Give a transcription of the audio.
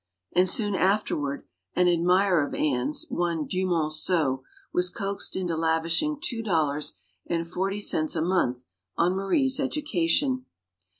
And soon afterward, an ad mirer of Anne's, one Dumonceau, was coaxed into lav ishing two dollars and forty cents a month on Marie's education.